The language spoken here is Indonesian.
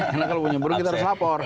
karena kalau punya burung kita harus lapor